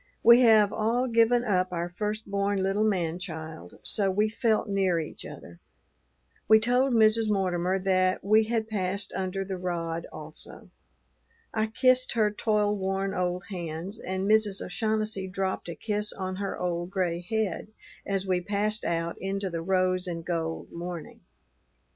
We have all given up our first born little man child; so we felt near each other. We told Mrs. Mortimer that we had passed under the rod also. I kissed her toilworn old hands, and Mrs. O'Shaughnessy dropped a kiss on her old gray head as we passed out into the rose and gold morning.